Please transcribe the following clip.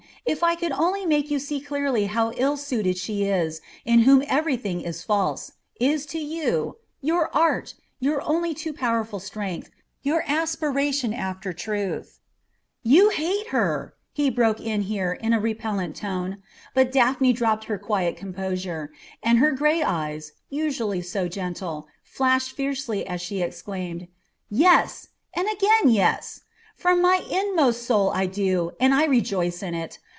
if I could only make you see clearly how ill suited she, in whom everything is false, is to you your art, your only too powerful strength, your aspiration after truth " "You hate her," he broke in here in a repellent tone; but Daphne dropped her quiet composure, and her gray eyes, usually so gentle, flashed fiercely as she exclaimed: "Yes, and again yes! From my inmost soul I do, and I rejoice in it.